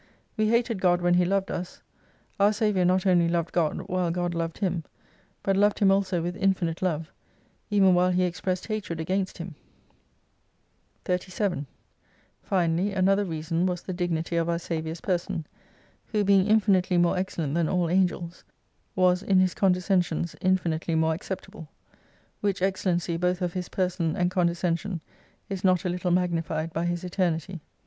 We hated God when He loved us : our Saviour not only loved God, while God loved Him ; but loved Him also with infinite love, even while He expressed hatred against Him, 107 37 Finally another reason was the dignity of our Saviour's person, who, being infinitely more excellent than all Angels, was, in His condescentions infinitely more acceptable. Which excellency both of His person and condescention is not a little magnified by His Eter nity.